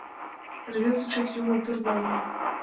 Рвезе чон йӱла дыр манын